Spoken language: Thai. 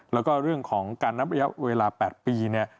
และก็เรื่องของการนับระยะเวลา๘ปี